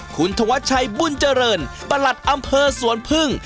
คุณธวัชชัยบุญเจริญประหลัดอำเภอสวนพึ่ง